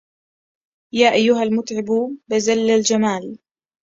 يا أيها المتعب بزل الجمال